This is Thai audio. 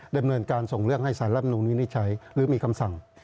ดำเนินการส่งเรื่องให้สารรับนูนวินิจฉัยหรือมีคำสั่ง